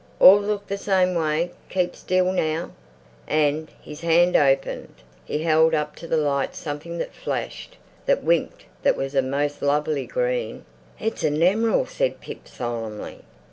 "All look the same way! Keep still! Now!" And his hand opened; he held up to the light something that flashed, that winked, that was a most lovely green. "It's a nemeral," said Pip solemnly.